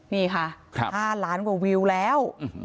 นี่ค่ะ๕ล้านกว่าวิวแล้ว